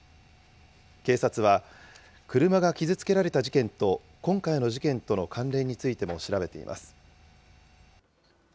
警察は車が傷つけられた事件と、今回の事件との関連についても調べています。